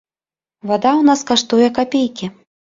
Вада ў нас каштуе капейкі.